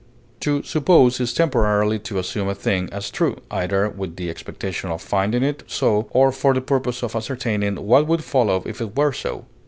To suppose is temporarily to assume a thing as true, either with the expectation of finding it so or for the purpose of ascertaining what would follow if it were so.